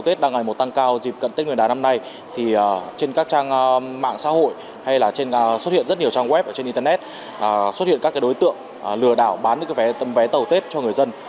trong web và trên internet xuất hiện các đối tượng lừa đảo bán những vé tàu tết cho người dân